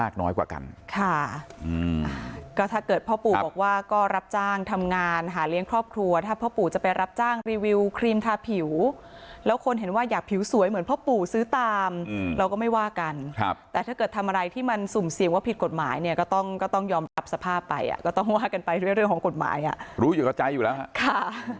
ครอบครัวถ้าพ่อปู่จะไปรับจ้างรีวิวครีมทาผิวแล้วคนเห็นว่าอยากผิวสวยเหมือนพ่อปู่ซื้อตามเราก็ไม่ว่ากันครับแต่ถ้าเกิดทำอะไรที่มันสุ่มเสี่ยงว่าผิดกฎหมายเนี่ยก็ต้องก็ต้องยอมกลับสภาพไปอ่ะก็ต้องว่ากันไปเรื่องของกฎหมายอ่ะรู้อยู่เข้าใจอยู่แล้วค่ะ